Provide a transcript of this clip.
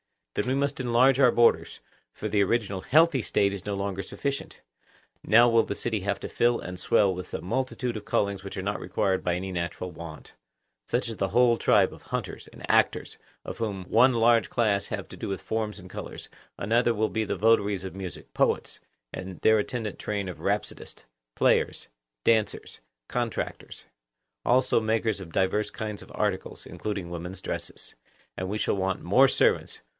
Then we must enlarge our borders; for the original healthy State is no longer sufficient. Now will the city have to fill and swell with a multitude of callings which are not required by any natural want; such as the whole tribe of hunters and actors, of whom one large class have to do with forms and colours; another will be the votaries of music—poets and their attendant train of rhapsodists, players, dancers, contractors; also makers of divers kinds of articles, including women's dresses. And we shall want more servants.